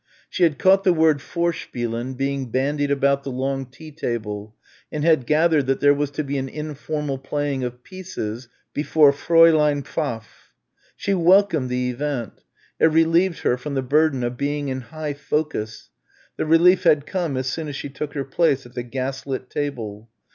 She had caught the word "Vorspielen" being bandied about the long tea table, and had gathered that there was to be an informal playing of "pieces" before Fräulein Pfaff. She welcomed the event. It relieved her from the burden of being in high focus the relief had come as soon as she took her place at the gaslit table.